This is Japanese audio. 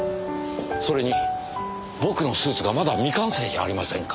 それに僕のスーツがまだ未完成じゃありませんか！